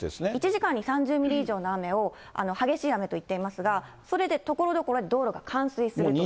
１時間に３０ミリ以上の雨を激しい雨といっていますが、それでところどころで道路が冠水すると。